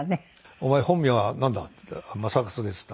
「お前本名はなんだ？」って「将勝です」って。